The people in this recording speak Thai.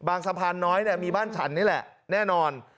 สะพานน้อยมีบ้านฉันนี่แหละแน่นอน